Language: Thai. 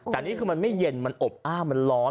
แต่นี่คือมันไม่เย็นมันอบอ้าวมันร้อน